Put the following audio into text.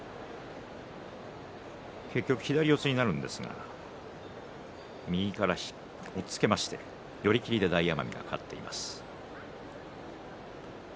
結局左四つになりますが右から挟みつけて寄り切りで大奄美が勝っています。